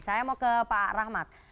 saya mau ke pak rahmat